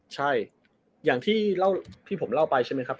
ใช่อย่างที่ผมเล่าไปใช่ไหมครับ